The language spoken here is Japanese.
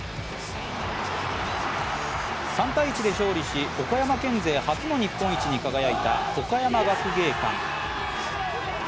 ３−１で勝利し、岡山県勢初の日本一に輝いた岡山学芸館。